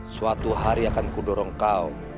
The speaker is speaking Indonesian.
suatu hari akan kudorong kau